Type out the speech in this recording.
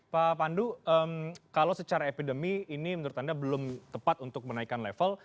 pak pandu kalau secara epidemi ini menurut anda belum tepat untuk menaikkan level